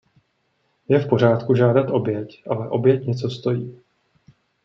Je v pořádku žádat oběť, ale oběť něco stojí.